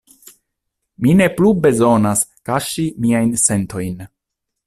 Mi ne plu bezonas kaŝi miajn sentojn.